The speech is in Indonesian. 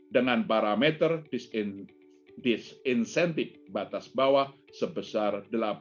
dengan parameter disinsentif batas bawah sebesar delapan